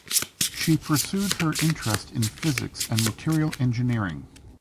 She pursued her interest in physics and material engineering.